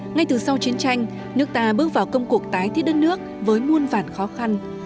ngay từ sau chiến tranh nước ta bước vào công cuộc tái thiết đất nước với muôn vản khó khăn